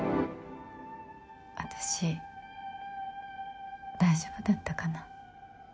私大丈夫だったかな。